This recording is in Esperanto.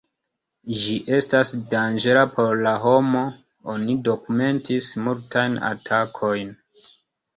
Ĝi estas danĝera por la homo, oni dokumentis multajn atakojn.